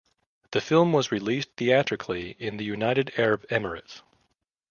The film was released theatrically in the United Arab Emirates.